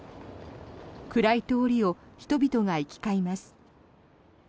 暗い通りを人々が行き交います。